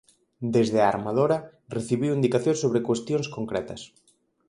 Desde a armadora recibiu indicacións sobre cuestións concretas.